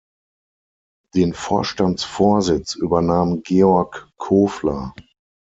Den Vorstandsvorsitz übernahm Georg Kofler.